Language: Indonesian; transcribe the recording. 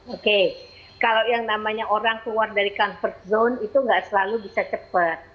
oke kalau yang namanya orang keluar dari comfort zone itu nggak selalu bisa cepat